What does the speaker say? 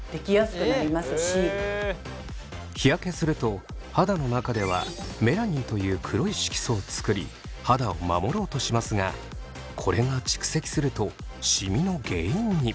日焼けすると肌の中ではメラニンという黒い色素を作り肌を守ろうとしますがこれが蓄積するとシミの原因に。